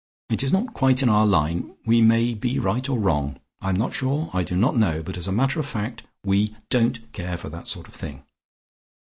It is not quite in our line; we may be right or wrong, I am sure I do not know, but as a matter of fact, we don't care for that sort of thing.